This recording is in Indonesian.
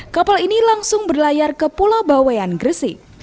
kapal ini langsung berlayar ke pulau bawean gresik